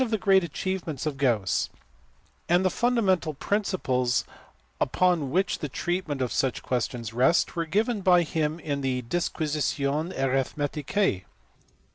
the great achievements of Gauss, and the fundamental principles upon which the treatment of such questions rest were given by him in the Disquisitiones Arithmeticae.